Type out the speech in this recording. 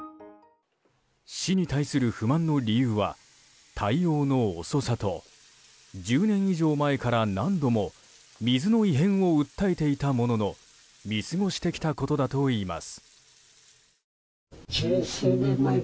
市に対する不満の理由は対応の遅さと１０年以上前から何度も水の異変を訴えていたものの見過ごしてきたことだといいます。